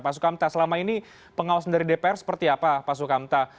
pak sukamta selama ini pengawasan dari dpr seperti apa pak sukamta